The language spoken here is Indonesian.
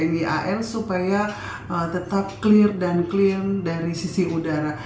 dan tni al supaya tetap clear dan clean dari sisi udara